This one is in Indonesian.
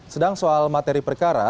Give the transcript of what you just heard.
sedang soal materi perkara